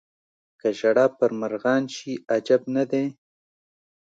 که ژړا پر مرغان شي عجب نه دی.